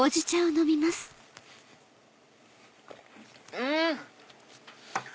うん！